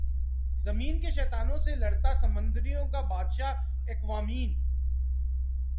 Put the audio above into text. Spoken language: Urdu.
زمین کے شیطانوں سے لڑتا سمندروں کا بادشاہ ایکوامین